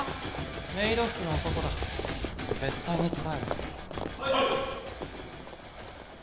メイド服の男だ絶対に捕らえろ・はい！